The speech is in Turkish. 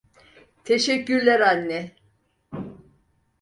Teşekkürler anne.